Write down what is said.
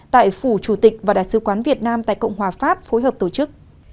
tại phủ chủ tịch và đại sứ quán việt nam tại cộng hòa pháp phối hợp tổ chức